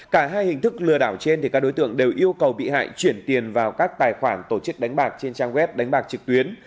cả hai hình thức lừa đảo trên thì các đối tượng đều yêu cầu bị hại chuyển tiền vào các tài khoản tổ chức đánh bạc trên trang web đánh bạc trực tuyến